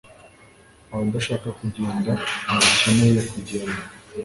Abadashaka kugenda ntibakeneye kugenda